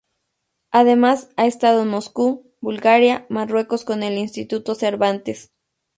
Además, ha estado en Moscú, Bulgaria, Marruecos con el Instituto Cervantes.